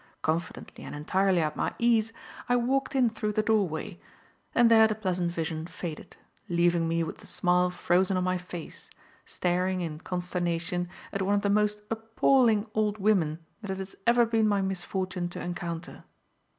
Confidently and entirely at my ease, I walked in through the doorway; and there the pleasant vision faded, leaving me with the smile frozen on my face, staring in consternation at one of the most appalling old women that it has ever been my misfortune to encounter.